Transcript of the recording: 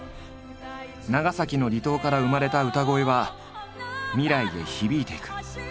長崎の離島から生まれた歌声は未来へ響いていく。